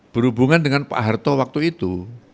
berhubungan dengan pak harto waktu itu